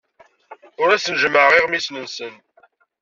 Ur asen-jemmɛeɣ iɣmisen-nsen.